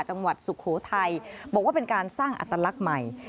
สุโขทัยบอกว่าเป็นการสร้างอัตลักษณ์ใหม่